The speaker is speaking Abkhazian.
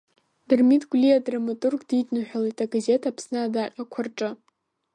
Дырмит Гәлиа адраматург дидныҳәалеит агазеҭ Аԥсны адаҟьақәа рҿы.